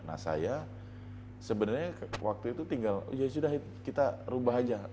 nah saya sebenarnya waktu itu tinggal ya sudah kita rubah aja